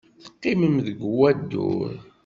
Teqqimem deg wadur.